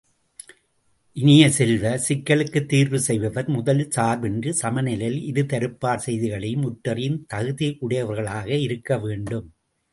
இனிய செல்வ, ஒரு சிக்கலுக்குத் தீர்வு செய்பவர் முதலில் சார்பின்றி, சமநிலையில் இருதரப்பார் செய்திகளையும் உற்றறியும் தகுதியுடையவர்களாக இருக்கவேண்டும்.